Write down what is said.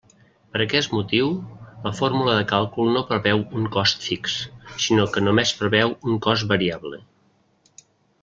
Per aquest motiu, la fórmula de càlcul no preveu un cost fix, sinó que només preveu un cost variable.